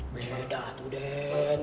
beda tuh den